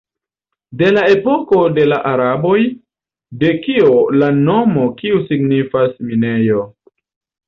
De la epoko de la araboj, de kio la nomo kiu signifas "minejo".